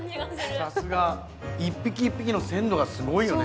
さすが一匹一匹の鮮度がすごいよね。